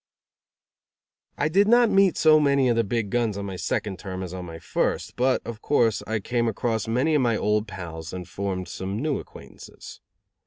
I did not meet so many of the big guns on my second term as on my first; but, of course, I came across many of my old pals and formed some new acquaintances.